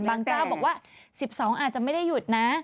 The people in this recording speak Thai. เจ้าบอกว่า๑๒อาจจะไม่ได้หยุดนะ